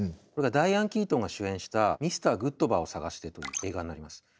これがダイアン・キートンが主演した「ミスター・グッドバーを探して」という映画になります。